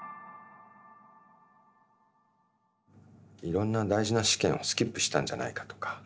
いろんな大事な試験をスキップしたんじゃないかとか。